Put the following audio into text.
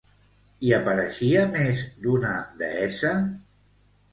Hi apareixia més d'una deessa?